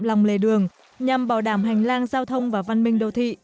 lòng lề đường nhằm bảo đảm hành lang giao thông và văn minh đô thị